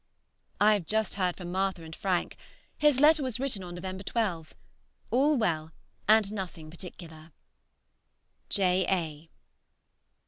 ... I have just heard from Martha and Frank: his letter was written on November 12. All well and nothing particular. J. A.